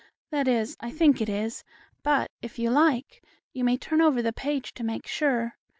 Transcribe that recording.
That is, I think it is, but, if you like, you may turn over the page to make sure.